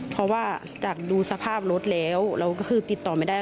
เพราะว่าจากดูสภาพรถแล้วเราก็คือติดต่อไม่ได้